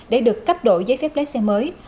để được cấp đổi giấy phép lái xe mới